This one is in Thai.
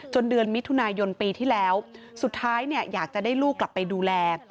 เดือนมิถุนายนปีที่แล้วสุดท้ายอยากจะได้ลูกกลับไปดูแล